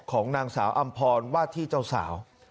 ของนางสาวอำพรว่าที่เจ้าสาว